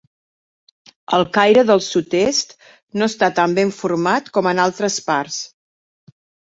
El caire del sud-est no està tan ben format com en altres parts.